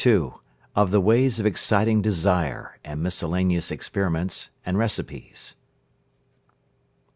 OF THE WAYS OF EXCITING DESIRE, AND MISCELLANEOUS EXPERIMENTS, AND RECIPES.